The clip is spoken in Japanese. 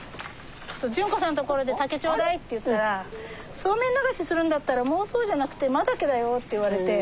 潤子さんのところで「竹頂戴」って言ったら「そうめん流しするんだったら孟宗じゃなくて真竹だよ」って言われて。